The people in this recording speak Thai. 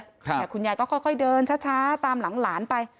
แต่คุณยายก็ค่อยค่อยเดินช้าช้าตามหลังหลานไป